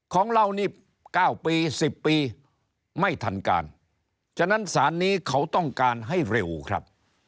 ของเรานี่๙ปี๑๐ปีไม่ทันการฉะนั้นสารนี้เขาต้องการให้เร็วครับ